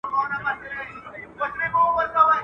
o خپل خر تړلی ښه دئ، که څه هم غل اشنا وي.